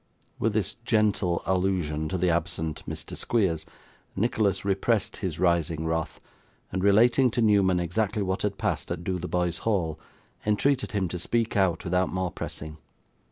With this gentle allusion to the absent Mr. Squeers, Nicholas repressed his rising wrath, and relating to Newman exactly what had passed at Dotheboys Hall, entreated him to speak out without more pressing.